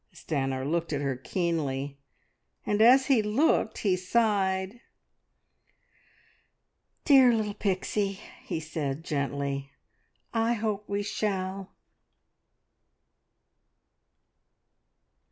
Stanor looked at her keenly, and as he looked he sighed. "Dear little Pixie," he said gently, "I hope we shall!"